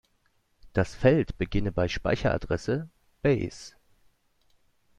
Das Feld beginne bei Speicheradresse "base".